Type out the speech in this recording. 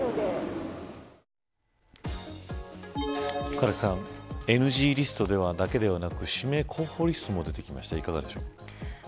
唐木さん、ＮＧリストだけではなく指名候補リストも出てきました、いかがでしょう。